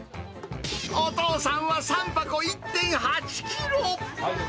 お父さんは３箱１．８キロ。